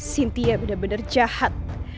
sintia bener bener jahat